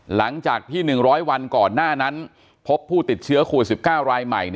หลังจากที่๑๐๐วันก่อนหน้านั้นพบผู้ติดเชื้อโควิด๑๙รายใหม่